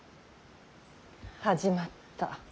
始まった。